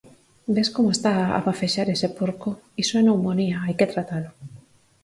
Ves como está a bafexar ese porco? Iso é neumonía, hai que tratalo